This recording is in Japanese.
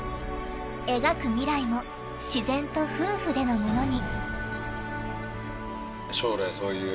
描く未来も自然と夫婦でのものに。